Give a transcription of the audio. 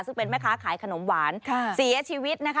ซึ่งเป็นแม่ค้าขายขนมหวานเสียชีวิตนะคะ